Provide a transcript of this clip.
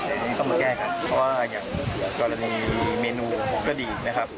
อันนี้ต้องมาแก้กันเพราะว่าอย่างกรณีเมนูก็ดีนะครับ